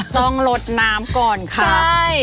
ต้องลดน้ำก่อนค่ะใช่